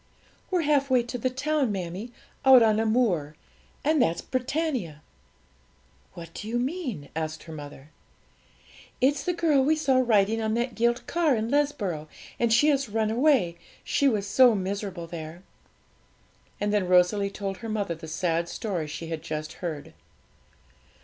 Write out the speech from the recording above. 'We're half way to the town, mammie out on a moor; and that's Britannia!' 'What do you mean?' asked her mother. 'It's the girl we saw riding on that gilt car in Lesborough, and she has run away, she was so miserable there.' And then Rosalie told her mother the sad story she had just heard.